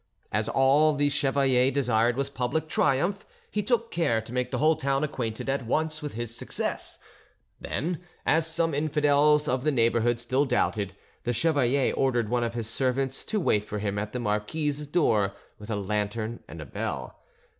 As all the chevalier desired was public triumph, he took care to make the whole town acquainted at once with his success; then, as some infidels of the neighbourhood still doubted, the chevalier ordered one of his servants to wait for him at the marquise's door with a lantern and a bell.